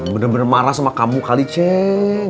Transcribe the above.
bener bener marah sama kamu kali ceng